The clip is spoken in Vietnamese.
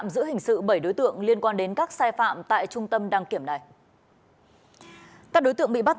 giữ hình sự bảy đối tượng liên quan đến các sai phạm tại trung tâm đăng kiểm này các đối tượng bị bắt